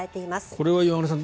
これは岩村さん